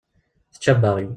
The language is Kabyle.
Tečča abbaɣ-iw